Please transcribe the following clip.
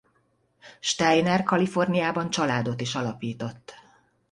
Steiner Kaliforniában családot is alapított.